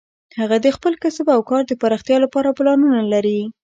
هغه د خپل کسب او کار د پراختیا لپاره پلانونه لري